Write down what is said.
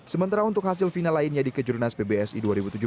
sementara untuk hasil final lainnya di kejurnas pbsi dua ribu tujuh belas